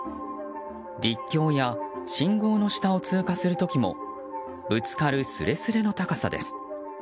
陸橋や信号の下を通過する時もぶつかるすれすれの高さです。